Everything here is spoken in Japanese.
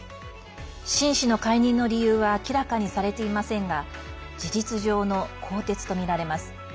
秦氏の解任の理由は明らかにされていませんが事実上の更迭とみられます。